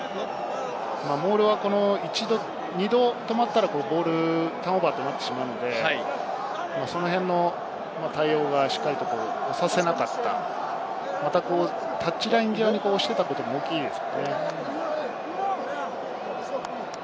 モールは１度、２度、止まったら、ボールがターンオーバーとなってしまうので、その辺の対応がしっかりタッチライン際に押していたことも大きいです。